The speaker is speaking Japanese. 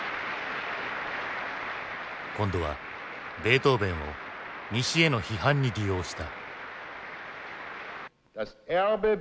今度はベートーヴェンを西への批判に利用した。